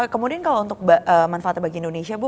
kemudian kalau untuk manfaatnya bagi indonesia bu